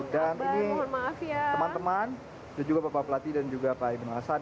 dan ini teman teman dan juga bapak pelatih dan juga pak ibn hasan